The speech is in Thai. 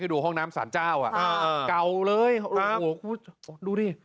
ให้ดูห้องน้ำสรรเจ้าอ่ะอ่าอ่าเก่าเลยอ๋อดูดิ